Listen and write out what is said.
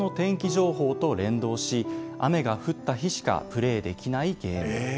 情報と連動し、雨が降った日しかプレーできないゲー